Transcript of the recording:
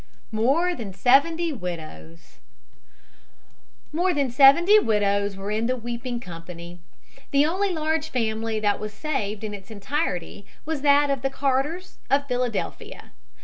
MORE THAN SEVENTY WIDOWS More than seventy widows were in the weeping company. The only large family that was saved in its entirety was that of the Carters, of Philadelphia.